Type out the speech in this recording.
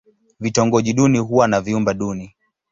Vitongoji duni huwa na vyumba duni.